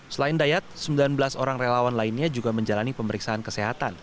selain dayat sembilan belas orang relawan lainnya juga menjalani pemeriksaan kesehatan